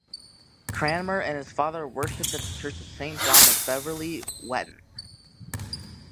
Cranmer and his father worshiped at the Church of Saint John of Beverley, Whatton.